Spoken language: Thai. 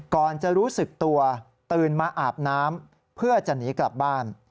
ก่อนจะรู้สึกตัวตื่นมาอาบน้ำเพื่อจะหนีกลับบ้าน